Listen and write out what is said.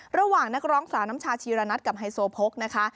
ระหว่างนักร้องสาวน้ำชาชีระนัทกับไฮโซโพกนะคะ